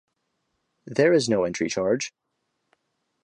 There is no entry charge.